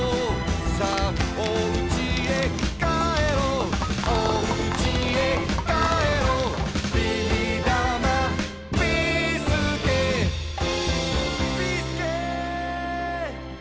「さあおうちへ帰ろう」「おうちへ帰ろう」「ビーだまビーすけ」「」おお！